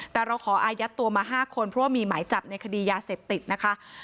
แต่เราขออายัดตัวมา๕คนเพราะว่ามีหมายจับในคดียาเสพติดนะคะ